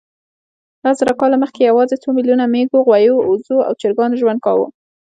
لس زره کاله مخکې یواځې څو میلیونو مېږو، غویانو، اوزو او چرګانو ژوند کاوه.